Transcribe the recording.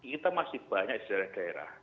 kita masih banyak di daerah daerah